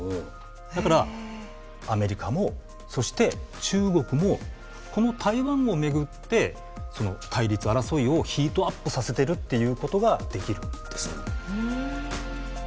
だからアメリカもそして中国もこの台湾を巡って対立争いをヒートアップさせてるっていうことができるんです。